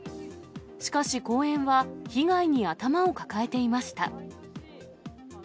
しかし、公園は被害に頭を抱えていました。